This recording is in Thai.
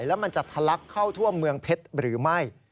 แล้วมันจะทะลักเข้าทั่วเมืองเพชรหรือไม่